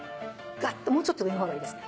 もうちょっと上のほうがいいですね